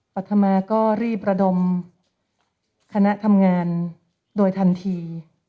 ปัธมาก็รีบระดมคณะทำงานโดยทันที